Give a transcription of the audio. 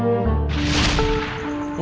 masih gak diangkat juga